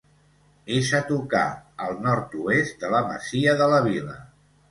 És a tocar, al nord-oest, de la masia de la Vila.